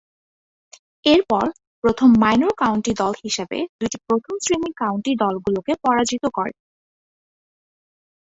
এরপর, প্রথম minor county দল হিসেবে দুইটি প্রথম-শ্রেণীর কাউন্টি দলগুলোকে পরাজিত করে।